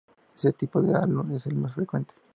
Este tipo de alud es el más frecuente.